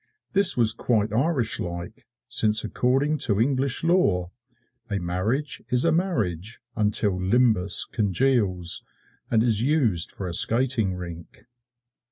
This was quite Irish like, since according to English Law a marriage is a marriage until Limbus congeals and is used for a skating rink.